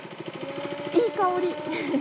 いい香り。